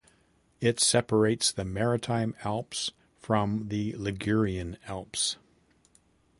It separates the Maritime Alps from the Ligurian Alps.